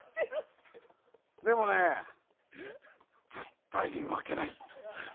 でもね、絶対に負けない！